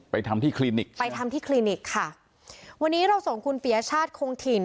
ทำที่คลินิกไปทำที่คลินิกค่ะวันนี้เราส่งคุณปียชาติคงถิ่น